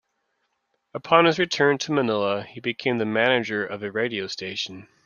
Upon his return to Manila, he became the manager of a radio station.